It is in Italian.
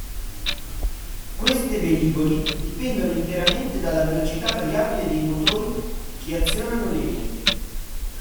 Queste velivoli dipendono interamente dalla velocità variabile dei motori che azionano le eliche.